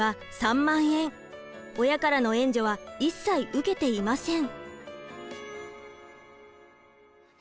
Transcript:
親からの援助は一切受けていません。